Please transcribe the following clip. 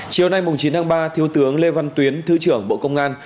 chiều nay chín tháng ba thiếu tướng lê văn tuyến thứ trưởng bộ công an